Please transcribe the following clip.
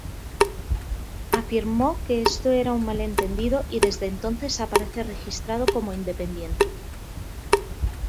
Afirmó que esto era un malentendido y desde entonces aparece registrado como independiente.